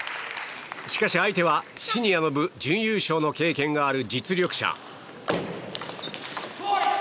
しかし相手はシニアの部準優勝の経験がある実力者。